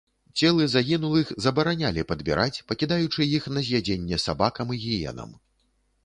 Целы загінулых забаранялі падбіраць, пакідаючы іх на з'ядзенне сабакам і гіенам.